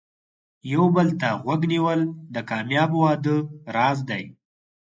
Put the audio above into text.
یو بل ته غوږ نیول د کامیاب واده راز دی.